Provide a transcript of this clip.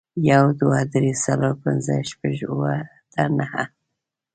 يو، دوه، درې، څلور، پينځه، شپږ، اووه، اته، نهه